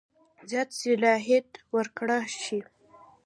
زیات صلاحیت ورکړه شي.